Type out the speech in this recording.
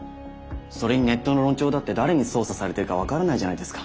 それにネットの論調だって誰に操作されてるか分からないじゃないですか。